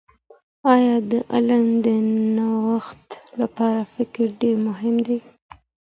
آیا د علم د نوښت لپاره فکر ډېر مهم دي؟